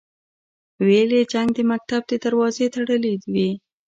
ویل یې جنګ د مکتب دروازې تړلې وې.